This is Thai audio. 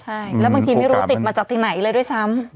ใช่แล้วบางทีไม่รู้ติดมาจากที่ไหนเลยด้วยซ้ำ